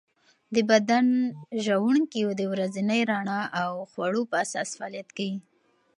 د بدن ژوڼکې د ورځني رڼا او خوړو په اساس فعالیت کوي.